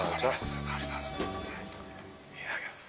いただきます。